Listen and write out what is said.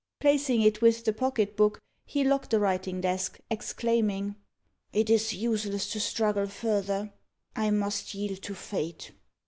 Placing it with the pocket book, he locked the writing desk, exclaiming, "It is useless to struggle further I must yield to fate!"